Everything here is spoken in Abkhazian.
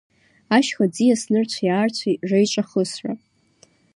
Ашьха ӡиас нырцәи-аарцәи реиҿахысра…